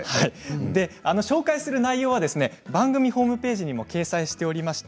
紹介する内容は番組ホームページにも掲載していまして